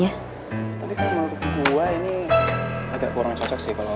gue pertama kali udah mulai